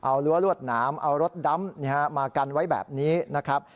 เอารั้วรวดหนามเอารถดำมากันไว้แบบนี้นะครับ